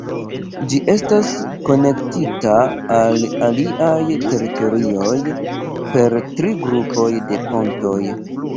Ĝi estas konektita al aliaj teritorioj per tri grupoj de pontoj.